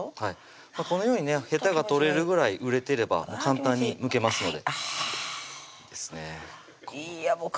このようにねへたが取れるぐらい熟れてれば簡単にむけますのでいいですねいいアボカドですね